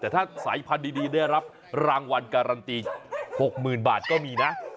แต่ถ้าสายพันธุ์ดีได้รับรางวัลการันตี๖๐๐๐บาทก็มีนะ